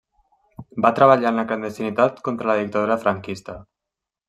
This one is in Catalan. Va treballar en la clandestinitat contra la dictadura franquista.